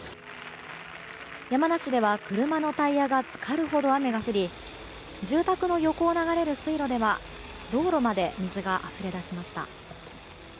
山梨では車のタイヤが浸かるほど雨が降り住宅の横を流れる水路では道路まで水があふれだしました。